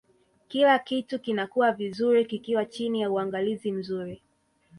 kila kitu kinakuwa vizuri kikiwa chini ya uangalizi mzuri